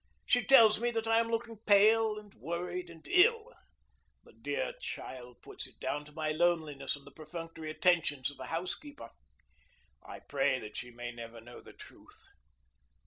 She tells me that I am looking pale and worried and ill. The dear child puts it down to my loneliness and the perfunctory attentions of a housekeeper. I pray that she may never know the truth!